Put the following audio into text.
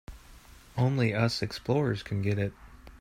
Only us explorers can get it.